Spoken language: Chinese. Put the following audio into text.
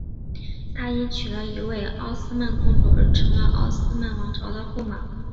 他因娶了一位奥斯曼公主而成为了奥斯曼王朝的驸马。